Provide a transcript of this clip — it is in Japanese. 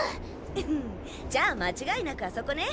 フフッじゃあ間違いなくあそこね。